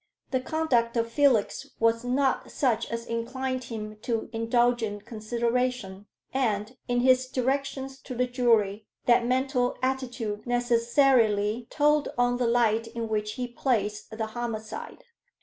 The conduct of Felix was not such as inclined him to indulgent consideration, and, in his directions to the jury, that mental attitude necessarily told on the light in which he placed the homicide.